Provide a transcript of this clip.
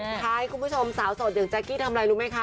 ท้ายคุณผู้ชมสาวโสดอย่างแจ๊กกี้ทำอะไรรู้ไหมคะ